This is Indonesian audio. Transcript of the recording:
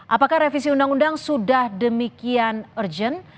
apakah revisi undang undang sudah demikian urgent